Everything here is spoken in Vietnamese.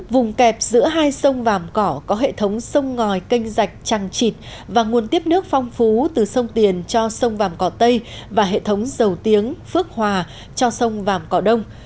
vùng kẹp giữa hai sông vàm cỏ có hệ thống sông ngòi canh rạch trăng trịt và nguồn tiếp nước phong phú từ sông tiền cho sông vàm cỏ tây và hệ thống dầu tiếng phước hòa cho sông vàm cỏ đông